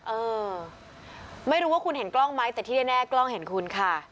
เออไม่รู้ว่าคุณเห็นกล้องไหมแต่ที่แน่กล้องเห็นคุณค่ะ